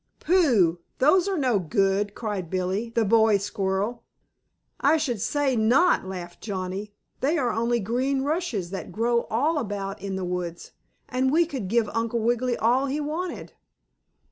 "Pooh! Those are no good!" cried Billie, the boy squirrel. "I should say not!" laughed Johnnie, "They are only green rushes that grow all about in the woods, and we could give Uncle Wiggily all he wanted."